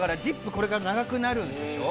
これから長くなるんでしょ？